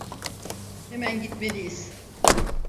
Hemen gitmeliyiz.